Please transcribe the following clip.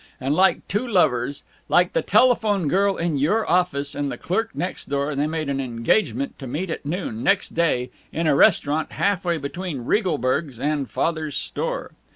And like two lovers, like the telephone girl in your office and the clerk next door, they made an engagement to meet at noon, next day, in a restaurant half way between Regalberg's and Father's store.